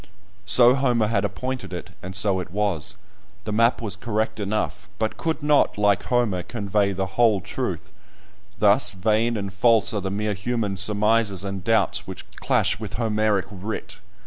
So Homer had appointed it, and so it was; the map was correct enough, but could not, like Homer, convey the whole truth. Thus vain and false are the mere human surmises and doubts which clash with Homeric writ!